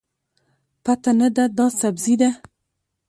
پته نه ده، دا سبزي ده.